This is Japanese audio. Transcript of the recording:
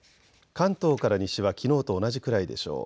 関東から西はきのうと同じくらいでしょう。